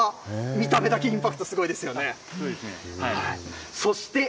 見た目だけインパクトすごいですよね。